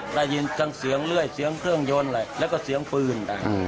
ได้ยินทั้งเสียงเลื่อยเสียงเครื่องยนต์แล้วก็เสียงปืน